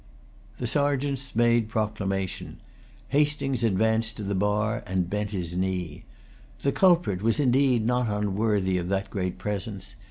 The Sergeants made proclamation. Hastings advanced to the bar, and bent his knee. The culprit was indeed not unworthy of that great presence.